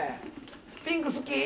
ピンク好き？」